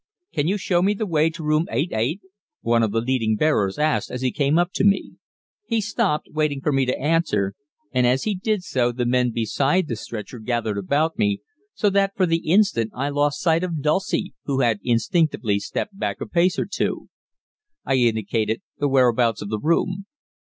"Can you show me the way to room eight eight?" one of the leading bearers asked as he came up to me. He stopped, waiting for me to answer, and as he did so the men beside the stretcher gathered about me, so that for the instant I lost sight of Dulcie, who had instinctively stepped back a pace or two. I indicated the whereabouts of the room.